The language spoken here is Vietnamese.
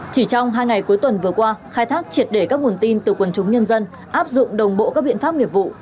chỉ trong hai ngày cuối tuần vừa qua khai thác triệt để các nguồn tin từ quần chúng nhân dân áp dụng đồng bộ các biện pháp nghiệp vụ